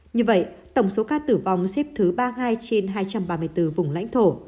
như vậy tổng số ca tử vong xếp thứ ba mươi hai trên hai trăm ba mươi bốn vùng lãnh thổ